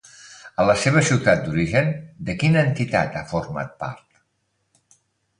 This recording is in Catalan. A la seva ciutat d'origen, de quina entitat ha format part?